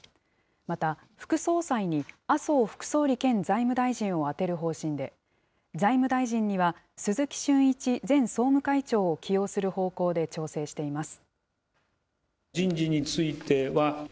また、副総裁に麻生副総理兼財務大臣を充てる方針で、財務大臣には鈴木俊一前総務会長を起用する方向で調整しています。